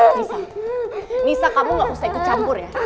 bisa nisa kamu gak usah ikut campur ya